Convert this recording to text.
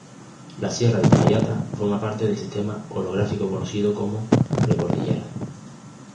La Sierra de Uspallata forma parte del sistema orográfico conocido como precordillera.